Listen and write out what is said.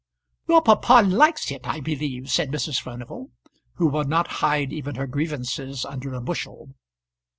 "Your papa likes it, I believe," said Mrs. Furnival, who would not hide even her grievances under a bushel.